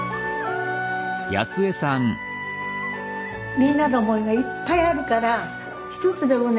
みんなの思いがいっぱいあるから一つでもね